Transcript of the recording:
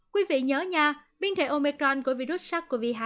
quý vị nhớ nha biến thể omicron của virus sars cov hai